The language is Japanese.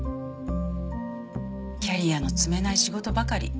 キャリアの積めない仕事ばかり。